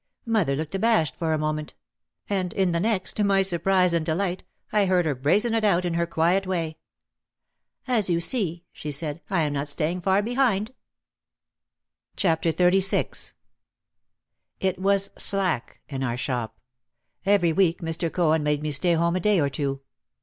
Mother looked abashed for a moment; in the next, to my surprise and delight, I heard her brazen it out in her quiet way. "As you see," she said, "I am not staying far be hind." ' OUT OF THE SHADOW 155 XXXVI It was "slack' ' in our shop. Every week Mr. Cohen made me stay home a day or two.